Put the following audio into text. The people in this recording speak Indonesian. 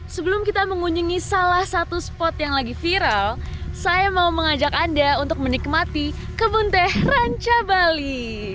sebelum kita mengunjungi salah satu spot yang lagi viral saya mau mengajak anda untuk menikmati kebun teh ranca bali